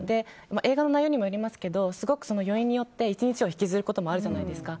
映画の内容にもよりますけどすごく余韻によって１日を引きずることもあるじゃないですか。